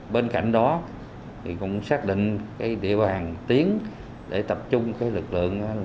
bên cạnh đó cũng xác định địa bàn tiến để tập trung lực lượng